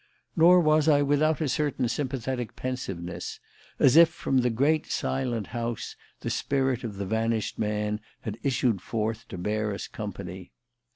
Nor was I without a certain sympathetic pensiveness; as if, from the great, silent house, the spirit of the vanished man had issued forth to bear us company.